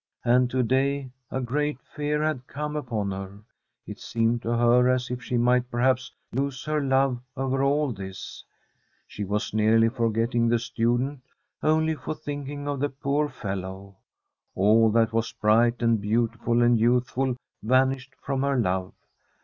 And to day a great fear had come upon her. It seemed to her as if she might perhaps lose her love over all this. She was nearly forgetting the student, only for thinking of the poor fellow. All that was bright and beautiful and youthful vanished from her love.